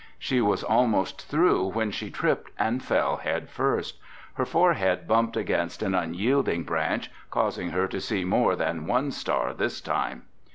She was almost through when she tripped and fell head first. Her forehead bumped against an unyielding branch, causing her to see more than one star this time.